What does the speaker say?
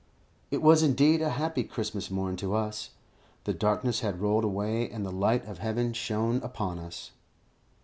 It was indeed, a happy Christmas morn to us. The darkness had rolled away, and the light of heaven shone upon us.